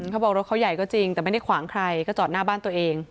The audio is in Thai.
เขาบอกรถเขาใหญ่ก็จริงแต่ไม่ได้ขวางใครก็จอดหน้าบ้านตัวเอง